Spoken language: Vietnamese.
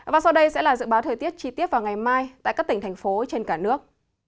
và sau đây sẽ là dự báo thời tiết chi tiết vào ngày mai tại các tỉnh thành phố trên cả nước